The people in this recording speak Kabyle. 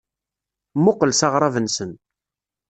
Mmuqqel s aɣrab-nsen.